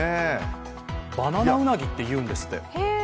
バナナウナギっていうんですって。